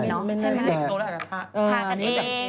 ข้อ๓แทนที่คุณครูจะถ่ายคลิปแล้วเอามาลงเฟซบุ๊ก